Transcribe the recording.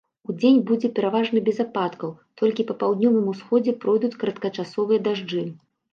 Удзень будзе пераважна без ападкаў, толькі па паўднёвым усходзе пройдуць кароткачасовыя дажджы.